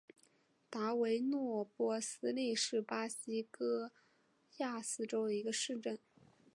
达维诺波利斯是巴西戈亚斯州的一个市镇。